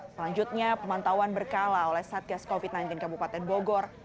selanjutnya pemantauan berkala oleh satgas covid sembilan belas kabupaten bogor